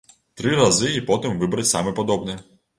Тры разы і потым выбраць самы падобны.